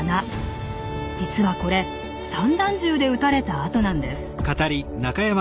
実はこれ散弾銃で撃たれた痕なんです。